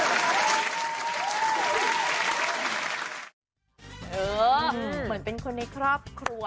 เหมือนเป็นคนในครอบครัว